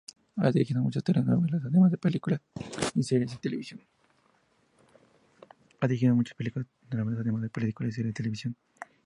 Ha dirigido muchas telenovelas, además de películas y series de televisión.